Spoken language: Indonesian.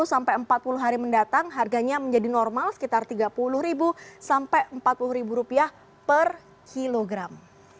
tiga puluh sampai empat puluh hari mendatang harganya menjadi normal sekitar tiga puluh ribu sampai empat puluh ribu rupiah per kilogram